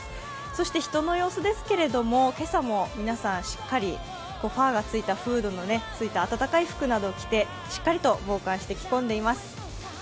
人の様子ですけれども、今朝も皆さんしっかりファー、フードのついたあたたかい服などを着てしっかり防寒して着込んでいます。